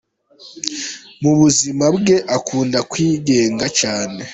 Mu buzima bwe akunda kwigenga cyane.